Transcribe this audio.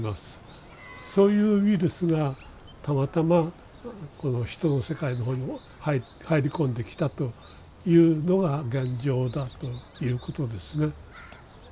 そういうウイルスがたまたまこの人の世界の方に入り込んできたというのが現状だということですね。